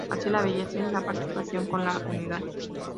Así, la belleza es la participación con la unidad.